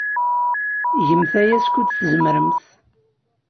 Gemt aya skud tzemremt.